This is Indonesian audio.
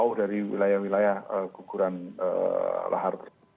jauh dari wilayah wilayah guguran lahar